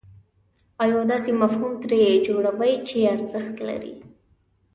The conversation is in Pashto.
او یو داسې مفهوم ترې جوړوئ چې ارزښت لري.